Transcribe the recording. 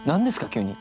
急に。